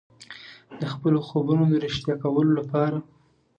د خپلو خوبونو د ریښتیا کولو لپاره.